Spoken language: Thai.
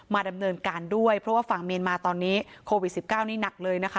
ดำเนินการด้วยเพราะว่าฝั่งเมียนมาตอนนี้โควิด๑๙นี่หนักเลยนะคะ